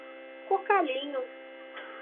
Cocalinho